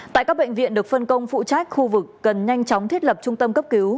tại các bệnh viện được phân công phụ trách khu vực cần nhanh chóng thiết lập trung tâm cấp cứu